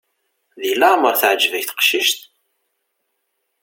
Deg leɛmer teɛǧeb-ak teqcict?